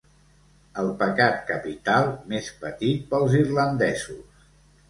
El pecat capital més patit pels irlandesos.